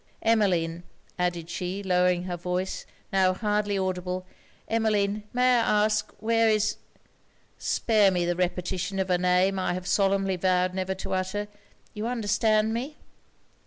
Emmeline,' added she, lowering her voice, now hardly audible, 'Emmeline, may I ask? where is spare me the repetition of a name I have solemnly vowed never to utter you understand me?'